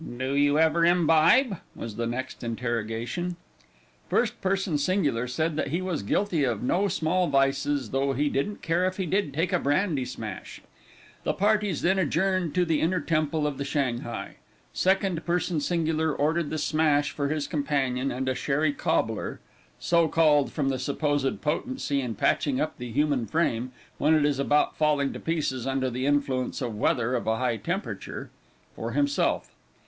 "Do you ever imbibe?" was the next interrogation. First person singular said he was guilty of no small vices, though he didn't care if he did take a brandy smash. The parties then adjourned to the inner temple of the Shanghae. Second person singular ordered the smash for his companion, and a sherry cobbler (so called from its supposed potency in patching up the human frame, when it is about falling to pieces under the influence of weather of a high temperature) for himself.